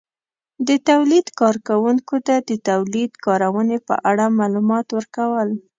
-د تولید کارونکو ته د تولید کارونې په اړه مالومات ورکول